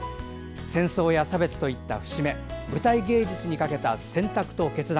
戦争や差別といった節目舞台芸術にかけた選択と決断